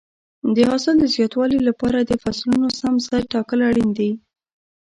د حاصل د زیاتوالي لپاره د فصلونو سم ځای ټاکل اړین دي.